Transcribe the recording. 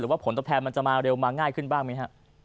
ว่าผลตอบแทนมันจะมาเร็วมาง่ายขึ้นบ้างไหมฮะ